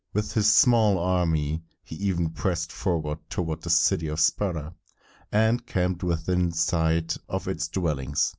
With his small army, he even pressed forward toward the city of Sparta, and camped within sight of its dwellings.